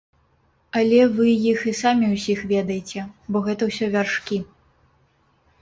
Але вы іх і самі ўсіх ведаеце, бо гэта ўсё вяршкі.